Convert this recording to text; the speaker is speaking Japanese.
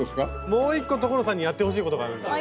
もう１個所さんにやってほしいことがあるんですよ。